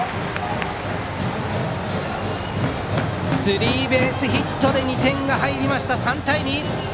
スリーベースヒットで２点が入りました、３対２。